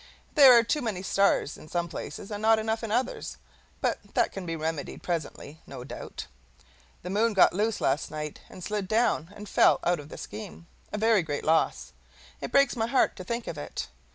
There are too many stars in some places and not enough in others, but that can be remedied presently, no doubt. The moon got loose last night, and slid down and fell out of the scheme a very great loss; it breaks my heart to think of it.